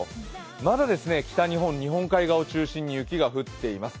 まずは北日本日本海側を中心に雪が降っています。